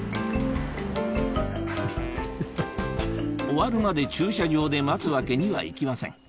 終わるまで駐車場で待つわけにはいきません